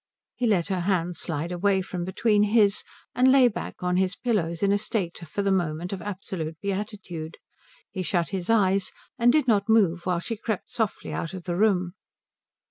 He let her hands slide away from between his and lay back on his pillows in a state for the moment of absolute beatitude. He shut his eyes, and did not move while she crept softly out of the room.